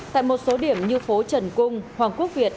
tại một số điểm như phố trần cung hoàng quốc việt